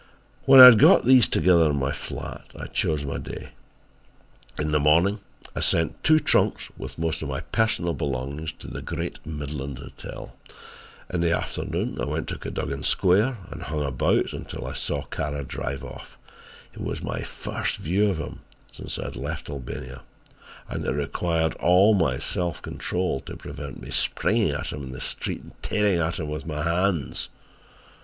When I had got these together in my flat, I chose my day. In the morning I sent two trunks with most of my personal belongings to the Great Midland Hotel. "In the afternoon I went to Cadogan Square and hung about until I saw Kara drive off. It was my first view of him since I had left Albania and it required all my self control to prevent me springing at him in the street and tearing at him with my hands.